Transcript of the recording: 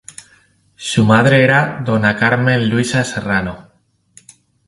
Su madre era Dona Carmen Luisa Serrano.